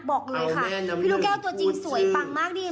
บอกเลยค่ะพี่ลูกแก้วตัวจริงสวยปังมากดี